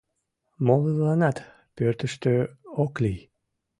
Молыланат пӧртыштӧ ок лий!